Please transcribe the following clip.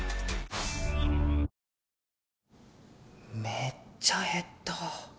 めっちゃ減った。